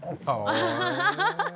アハハハハ。